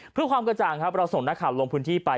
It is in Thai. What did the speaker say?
เพื่อความกระจ่างครับเราส่งนักข่าวลงพื้นที่ไป